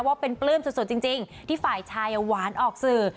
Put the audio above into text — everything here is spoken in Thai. ว่าเป็นปลื้มสุดจริงที่ฝ่ายชายหวานออกสื่อ